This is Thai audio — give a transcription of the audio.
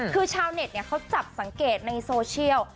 คือชาวเน็ตเขาจับสังเกตในโซเชียล